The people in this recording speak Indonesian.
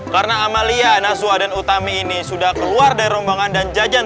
karena amalia najwa dan utami ini sudah keluar dari rombongan dan jajan